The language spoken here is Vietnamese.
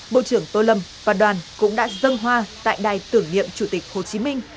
bộ trưởng tô lâm và đoàn cũng đã dân hoa tại đài tưởng niệm chủ tịch hồ chí minh